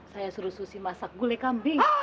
saya suruh susi masak gulai kambing